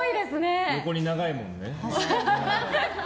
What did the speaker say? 横に長いもんね。